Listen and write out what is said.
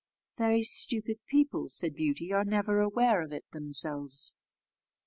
"Very stupid people," said Beauty, "are never aware of it themselves."